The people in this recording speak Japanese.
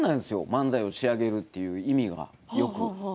漫才を仕上げるという意味がよく。